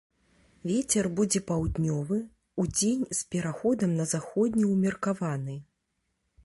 Вецер будзе паўднёвы, удзень з пераходам на заходні ўмеркаваны.